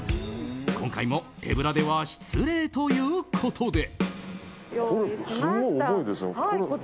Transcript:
今回も手ぶらでは失礼ということで。